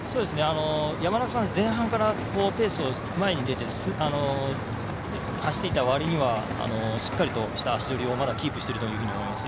山中さん、前半からペースを前に出て走っていたわりにはしっかりとした足取りをまだキープしていると思います。